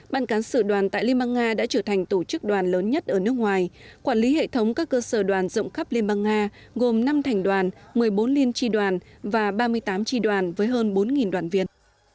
ban cán sự đoàn tại liên bang nga đã trở thành tổ chức đoàn lớn nhất ở nước ngoài quản lý hệ thống các cơ sở đoàn rộng khắp liên bang nga gồm năm thành đoàn một mươi bốn liên tri đoàn và ba mươi tám tri đoàn với hơn bốn đoàn viên